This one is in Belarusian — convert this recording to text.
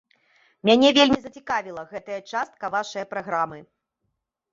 Мяне вельмі зацікавіла гэтая частка вашае праграмы.